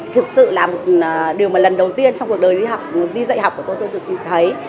thực sự là một điều mà lần đầu tiên trong cuộc đời đi dạy học của tôi tôi được nhìn thấy